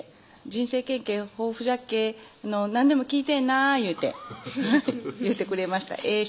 「人生経験豊富じゃけぇ何でも聞いてな」いうて言うてくれましたええ